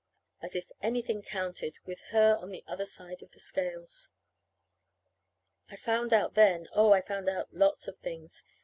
As if anything counted, with her on the other side of the scales! I found out then oh, I found out lots of things.